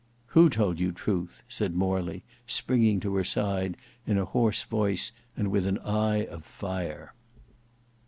"Who told you truth?" said Morley, springing to her side, in a hoarse voice and with an eye of fire.